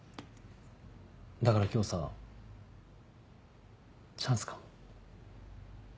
だから今日さチャンスかも。